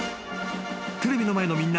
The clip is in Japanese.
［テレビの前のみんな。